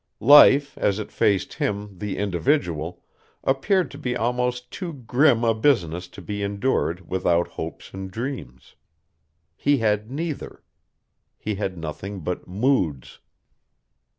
Life, as it faced him, the individual, appeared to be almost too grim a business to be endured without hopes and dreams. He had neither. He had nothing but moods.